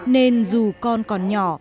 nên dù con còn nhỏ